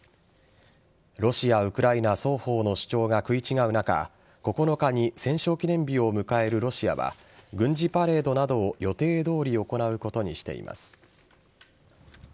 ロシア、ウクライナ双方の主張が食い違う中９日に戦勝記念日を迎えるロシアは軍事パレードなどを予定通り行うことにしています。